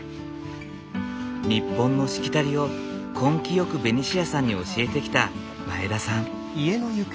日本のしきたりを根気よくベニシアさんに教えてきた前田さん。